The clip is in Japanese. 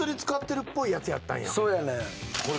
そうやねん。